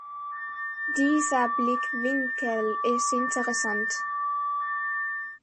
Dieser Blickwinkel ist interessant.